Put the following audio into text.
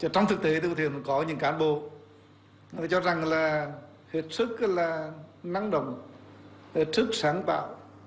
trong thực tế thì có những cán bộ họ cho rằng là huyệt sức là năng động huyệt sức sáng bạo